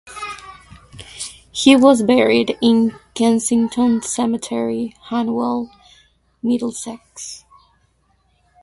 He was buried in Kensington Cemetery, Hanwell, Middlesex.